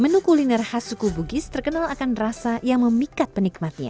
menu kuliner khas suku bugis terkenal akan rasa yang memikat penikmatnya